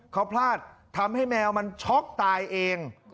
เขาพลาดทำให้แมวมันช็อกตายเอง